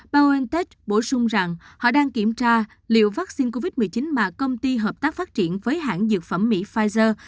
biontech bổ sung rằng họ đang kiểm tra liệu vaccine covid một mươi chín mà công ty hợp tác phát triển với hãng dược phẩm mỹ pfizer